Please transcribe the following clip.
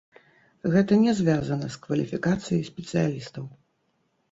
Гэта не звязана з кваліфікацыяй спецыялістаў.